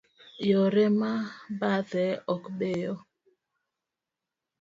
Yore ma bathe ok beyo.